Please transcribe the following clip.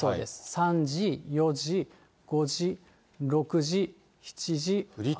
３時、４時、５時、６時、７時。